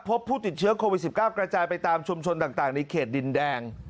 พบผู้ติดเชื้อโควิด๑๙กระจายไปตามชุมชนต่างในเขตดินแดง